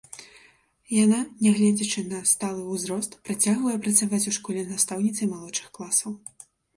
Яна, нягледзячы на сталы ўзрост, працягвае працаваць у школе настаўніцай малодшых класаў.